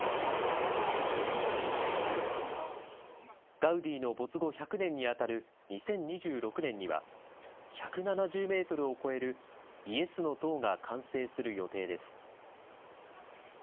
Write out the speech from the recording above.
ガウディの没後１００年に当たる２０２６年には、１７０メートルを超えるイエスの塔が完成する予定です。